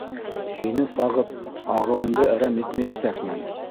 Һине сағып ағыуымды әрәм итмәйәсәкмен!